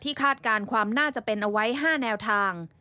คาดการณ์ความน่าจะเป็นเอาไว้๕แนวทาง